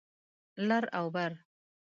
لر او بر